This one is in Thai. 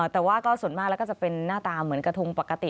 แต่ว่าก็ส่วนมากแล้วก็จะเป็นหน้าตาเหมือนกระทงปกติ